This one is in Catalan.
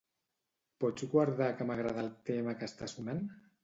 Pots guardar que m'agrada el tema que està sonant?